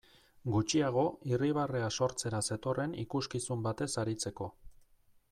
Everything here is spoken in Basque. Gutxiago irribarrea sortzera zetorren ikuskizun batez aritzeko.